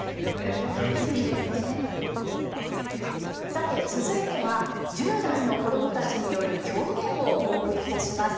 さて続いては１０代の子供たちによる狂言をお送りいたします。